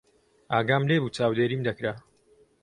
ئاگام لێ بوو چاودێریم دەکرا.